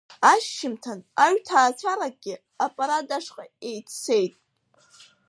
Ашьжьымҭан аҩҭаацәаракгьы апарад ашҟа еиццеит.